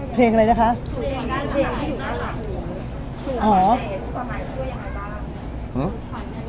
เพลงที่อยู่ข้างหลังค่ะสู่ควันอันยิ่งใหญ่เรื่องมีความหมายกับพี่ตัวอย่างอ่ะ